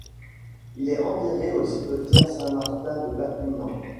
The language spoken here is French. Il est enterré au cimetière Saint-Martin de Perpignan.